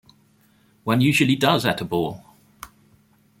One usually does at a ball.